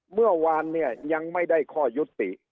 เมื่อวานเนี่ยยังไม่ได้ข้อยุติ